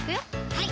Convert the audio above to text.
はい